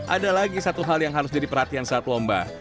ada lagi satu hal yang harus jadi perhatian saat lomba